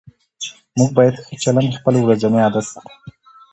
موږ باید ښه چلند خپل ورځنی عادت کړو